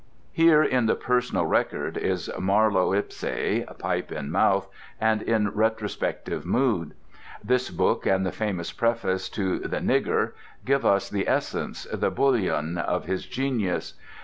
Here in the "Personal Record" is Marlowe ipse, pipe in mouth, and in retrospective mood. This book and the famous preface to the "Nigger" give us the essence, the bouillon, of his genius.